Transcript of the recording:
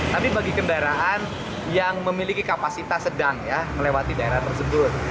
tapi bagi kendaraan yang memiliki kapasitas sedang ya melewati daerah tersebut